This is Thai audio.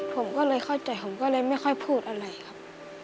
ผมก็เลยเข้าใจผมก็เลยไม่ค่อยพูดอะไรครับ